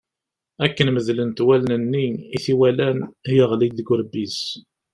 Akken medlent wallen-nni i t-iwalan, yeɣli deg urebbi-s.